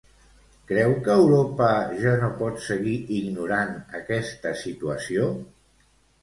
Creu que Europa ja no pot seguir ignorant aquesta situació?